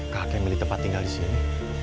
kakak yang milih tempat tinggal disini